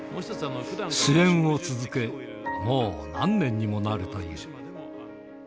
支援を続け、もう何年にもなるという。